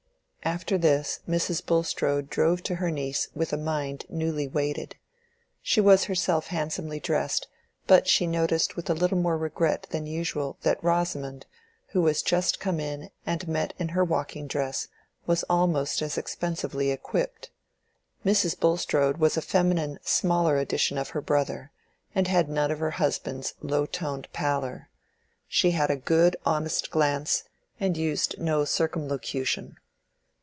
After this Mrs. Bulstrode drove to her niece with a mind newly weighted. She was herself handsomely dressed, but she noticed with a little more regret than usual that Rosamond, who was just come in and met her in walking dress, was almost as expensively equipped. Mrs. Bulstrode was a feminine smaller edition of her brother, and had none of her husband's low toned pallor. She had a good honest glance and used no circumlocution.